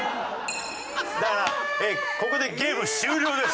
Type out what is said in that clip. だからここでゲーム終了です。